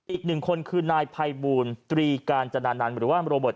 อีกหนึ่งคนคือนายไพบูลตรีการจนานานหรือว่าโรบอท